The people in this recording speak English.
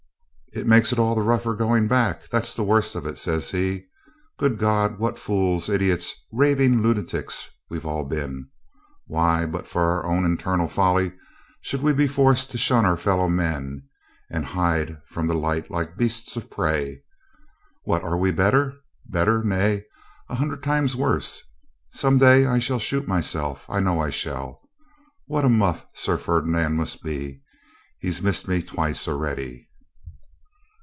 'It makes it all the rougher going back, that's the worst of it,' says he. 'Good God! what fools, idiots, raving lunatics, we've all been! Why, but for our own infernal folly, should we be forced to shun our fellow men, and hide from the light like beasts of prey? What are we better? Better? nay, a hundred times worse. Some day I shall shoot myself, I know I shall. What a muff Sir Ferdinand must be, he's missed me twice already.'